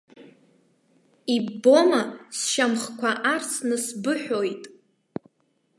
Иббома, сшьамхқәа арсны сбыҳәоит.